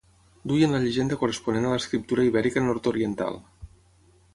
Duien la llegenda corresponent a l'escriptura ibèrica nord-oriental.